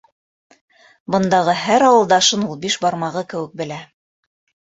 Бындағы һәр ауылдашын ул биш бармағы кеүек белә.